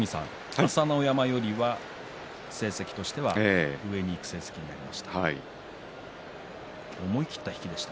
朝乃山よりは成績としては上にいく成績になりました。